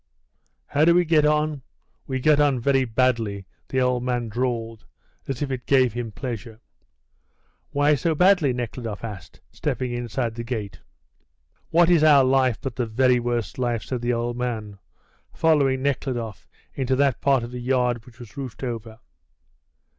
"How do we get on? We get on very badly," the old man drawled, as if it gave him pleasure. "Why so badly?" Nekhludoff asked, stepping inside the gate. "What is our life but the very worst life?" said the old man, following Nekhludoff into that part of the yard which was roofed over.